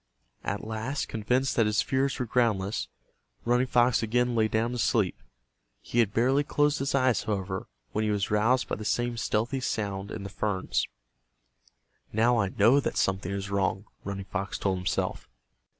At last, convinced that his fears were groundless, Running Fox again lay down to sleep. He had barely closed his eyes, however, when he was roused by the same stealthy sound in the ferns. "Now I know that something is wrong," Running Fox told himself.